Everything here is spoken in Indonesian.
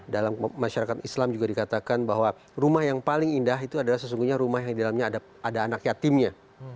dalam masyarakat islam juga dikatakan bahwa rumah yang paling indah itu adalah sesungguhnya rumah yang di dalamnya ada anak yatimnya